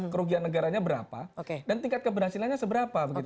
kerugian negaranya berapa dan tingkat keberhasilannya seberapa